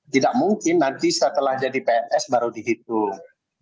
tidak mungkin nanti setelah jadi pns baru dihitung